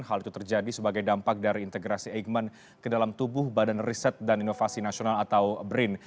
hal itu terjadi sebagai dampak dari integrasi eijkman ke dalam tubuh badan riset dan inovasi nasional atau brin